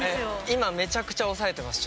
今めちゃくちゃ抑えてます